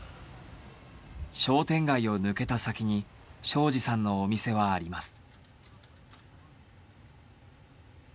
商店街を抜けた先に庄司さんのお店はあります。